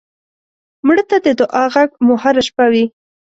مړه ته د دعا غږ مو هر شپه وي